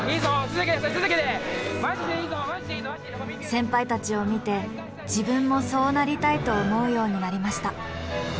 先輩たちを見て自分もそうなりたいと思うようになりました。